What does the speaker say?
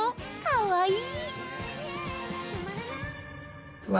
かわいい。